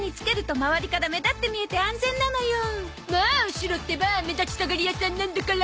シロってば目立ちたがり屋さんなんだから